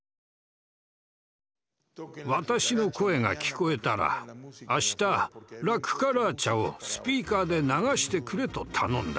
私の声が聞こえたらあした「ラ・クカラーチャ」をスピーカーで流してくれと頼んだ。